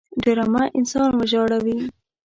ډرامه انسان وژاړي